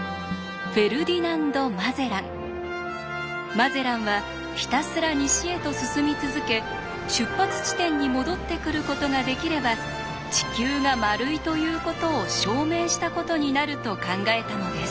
マゼランはひたすら西へと進み続け出発地点に戻ってくることができれば「地球が丸い」ということを証明したことになると考えたのです。